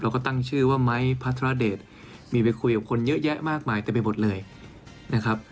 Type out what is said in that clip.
แล้วก็ตั้งชื่อว่าไมค์พระธรเดชมีไปคุยกับคนเยอะแยะมากมายแต่เป็นบทเลยนะครับ